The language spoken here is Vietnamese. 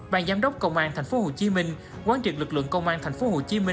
ban giám đốc công an tp hcm quán triệt lực lượng công an tp hcm